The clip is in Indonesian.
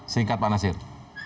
singkat pak nasir